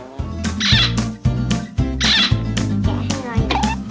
แกะให้หน่อย